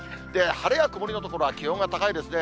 晴れや曇りの所は気温が高いですね。